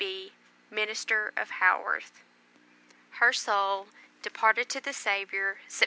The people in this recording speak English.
B., MINISTER OF HAWORTH. HER SOUL DEPARTED TO THE SAVIOUR, SEPT.